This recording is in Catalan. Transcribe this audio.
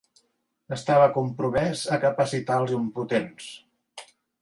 Estava compromès a capacitar els impotents.